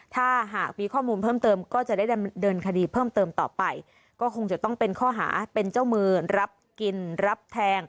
ถ้าหากมีข้อมูลเพิ่มเติมก็จะได้ดำเนินคดีเพิ่มเติมต่อไปก็คงจะต้องเป็นข้อหาเป็นเจ้ามือรับกินรับแทง